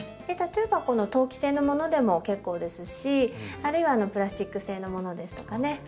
例えばこの陶器製のものでも結構ですしあるいはプラスチック製のものですとかね